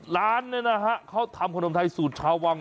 ร้านนี้นะฮะเขาทำขนมไทยสูตรชาววัง